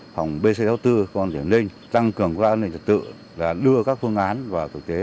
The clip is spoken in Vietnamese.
phòng bc sáu mươi bốn phòng tiểu ninh tăng cường các an ninh trật tự và đưa các phương án vào thực tế